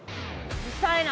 うるさいな。